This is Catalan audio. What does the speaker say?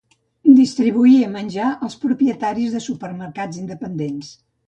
Distribuïa menjar als propietaris de supermercats independents.